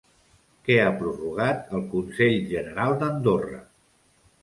Què ha prorrogat el Consell General d'Andorra?